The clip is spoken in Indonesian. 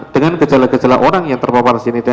dengan gejala gejala orang yang terpapar cni